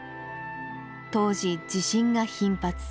当時地震が頻発。